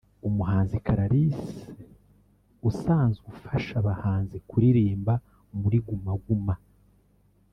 Umuhanzi Clarrise usanzwe ufasha abahanzi kuririmba muri Guma Guma